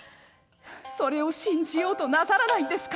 それを信じようとなさらないんですか？